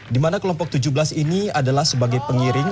dimana kelompok tujuh belas ini adalah sebagai pengiring